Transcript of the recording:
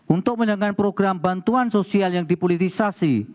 untuk menjalankan program bantuan sosial yang dipolitisasi